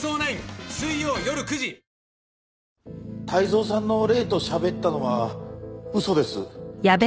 泰造さんの霊としゃべったのは嘘です。